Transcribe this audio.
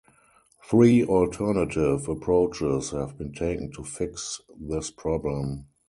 Three alternative approaches have been taken to fix this problem.